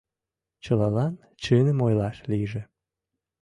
Чылалан чыным ойлаш лийже.